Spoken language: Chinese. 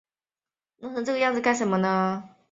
今花莲县卓溪乡。